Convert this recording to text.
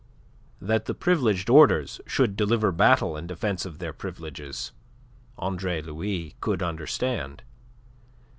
That the privileged orders should deliver battle in defence of their privileges, Andre Louis could understand.